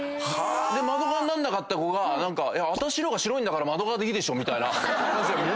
窓側になんなかった子が「私の方が白いんだから窓側でいいでしょ」みたいな感じでもめ事が起きたり。